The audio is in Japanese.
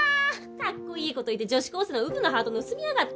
かっこいい事言って女子高生のウブなハート盗みやがって！